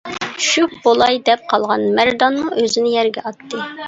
چۈشۈپ بولاي دەپ قالغان مەردانمۇ ئۆزىنى يەرگە ئاتتى.